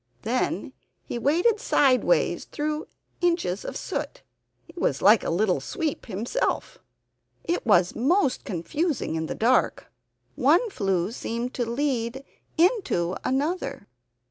Then he waded sideways through inches of soot. He was like a little sweep himself. It was most confusing in the dark. One flue seemed to lead into another.